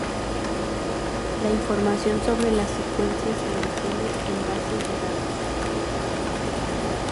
La información sobre las secuencias se mantiene en bases de datos.